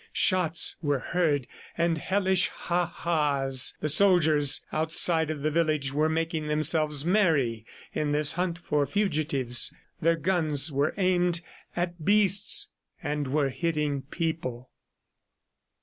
Shots were heard and hellish ha ha's. The soldiers outside of the village were making themselves merry in this hunt for fugitives. Their guns were aimed at beasts and were hitting people.